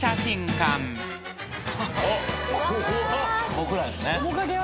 僕らですね。